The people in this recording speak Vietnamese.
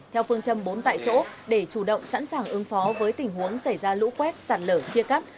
theo phương châm bốn tại chỗ để chủ động sẵn sàng ứng phó với tình huống xảy ra lũ quét sạt lở chia cắt